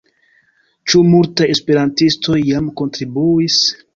Ĉu multaj esperantistoj jam kontribuis?